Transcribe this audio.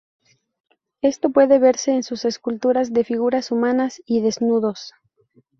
Esto puede verse en sus esculturas de figuras humanas y desnudos.